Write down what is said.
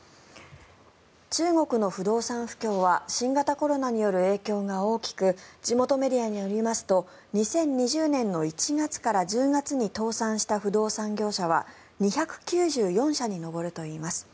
中国の不動産不況は新型コロナによる影響が大きく地元メディアによりますと２０２０年の１月から１０月に倒産した不動産業者は２９４社に上るといいます。